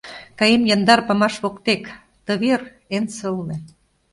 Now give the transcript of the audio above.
Каем яндар памаш воктек, Ты вер — эн сылне.